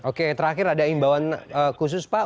oke terakhir ada imbauan khusus pak